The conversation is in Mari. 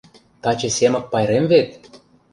Таче Семык пайрем вет!